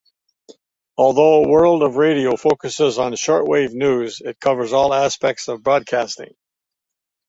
Although "World of Radio" focuses on shortwave news, it covers all aspects of broadcasting.